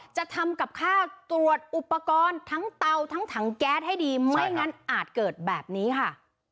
จะทำกับข้าวตรวจอุปกรณ์ทั้งเตาทั้งถังแก๊สให้ดีไม่งั้นอาจเกิดแบบนี้ค่ะ